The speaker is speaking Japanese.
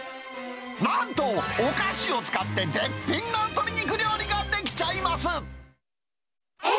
なんとお菓子を使って絶品の鶏肉料理が出来ちゃいます。